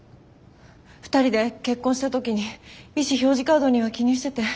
２人で結婚した時に意思表示カードには記入してて。